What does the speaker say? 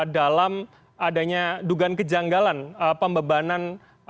dalam adanya dugaan kejanggalan pembebanan